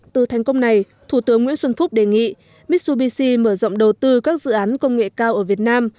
từ thành công này thủ tướng nguyễn xuân phúc đề nghị mitsubishi mở rộng đầu tư các dự án công nghệ cao ở việt nam